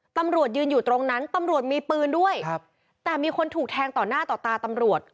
ตำรวจยืนอยู่ตรงนั้นตำรวจมีปืนด้วยครับแต่มีคนถูกแทงต่อหน้าต่อตาตำรวจ